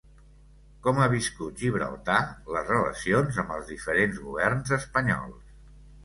Com ha viscut Gibraltar les relacions amb els diferents governs espanyols?